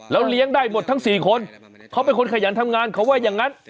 เลี้ยงได้หมดทั้ง๔คนเขาเป็นคนขยันทำงานเขาว่าอย่างนั้น